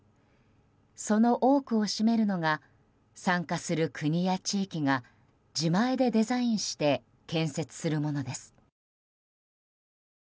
その多くを占めるのが参加する国や地域が自前でデザインして建設するものです。